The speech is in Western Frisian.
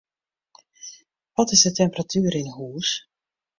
Wat is de temperatuer yn 'e hús?